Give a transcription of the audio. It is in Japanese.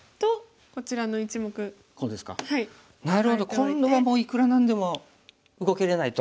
今度はもういくら何でも動けれないと。